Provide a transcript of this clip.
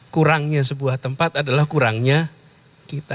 kurangnya sebuah tempat adalah kurangnya kita